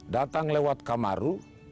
datang lewat kamaru